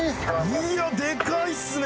いやデカいっすね。